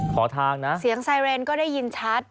ขอทางนะเสียงไซเรนก็ได้ยินชัด